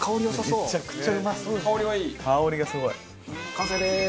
完成です。